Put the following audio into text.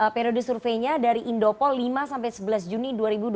periode surveinya dari indopol lima sampai sebelas juni dua ribu dua puluh